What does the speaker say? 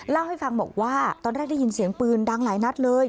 เล่าให้ฟังบอกว่าตอนแรกได้ยินเสียงปืนดังหลายนัดเลย